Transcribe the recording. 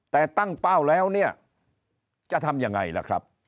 แต่ตั้งเป้าแล้วเนี่ยจะทำยังไงล่ะครับ